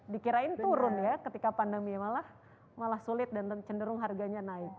dikirain turun ya ketika pandemi malah sulit dan cenderung harganya naik